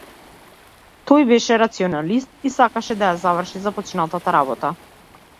Тој беше рационалист и сакаше да ја заврши започнатата работа.